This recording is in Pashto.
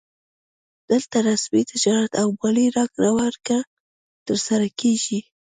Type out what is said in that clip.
دلته رسمي تجارت او مالي راکړه ورکړه ترسره کیږي